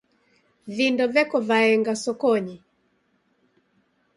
Vindo veko vaenga sokonyi.